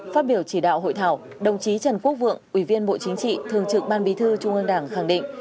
phát biểu chỉ đạo hội thảo đồng chí trần quốc vượng ủy viên bộ chính trị thường trực ban bí thư trung ương đảng khẳng định